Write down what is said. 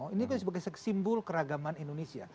ini kan sebagai seksimbol keragaman indonesia